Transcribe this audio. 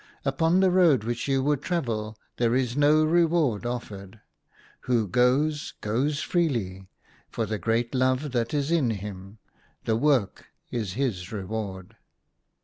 Upon the road which you would travel there is no reward offered. Who goes, goes freely — for the great love that is in him. The work is his reward."